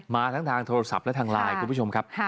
มาทั้งทางโทรศัพท์และทางไลน์คุณผู้ชมครับ